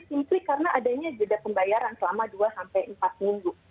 simpul karena adanya jeda pembayaran selama dua empat minggu